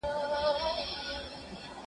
زه به سبا کتابونه لولم وم؟